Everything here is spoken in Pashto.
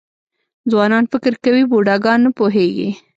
ځوانان فکر کوي بوډاګان نه پوهېږي .